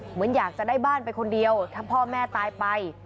เหมือนอยากจะได้บ้านไปคนเดียวถ้าพ่อแม่ตายไป